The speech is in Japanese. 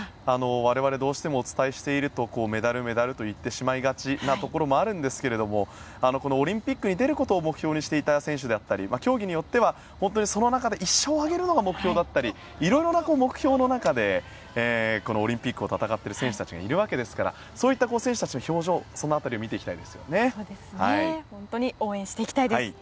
我々どうしてもお伝えしているとメダル、メダルと言ってしまいがちなところもあるんですけれどもオリンピックに出ることを目標にしていた選手だったり競技によっては本当にその中で１勝を挙げるのが目標だったりいろいろな目標の中でオリンピックを戦っている選手たちがいるわけですからそういった選手たちの表情を応援していきたいです。